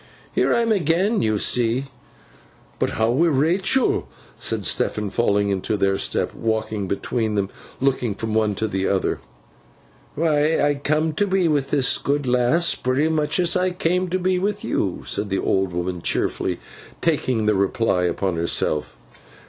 'Here I am again, you see.' 'But how wi' Rachael?' said Stephen, falling into their step, walking between them, and looking from the one to the other. 'Why, I come to be with this good lass pretty much as I came to be with you,' said the old woman, cheerfully, taking the reply upon herself.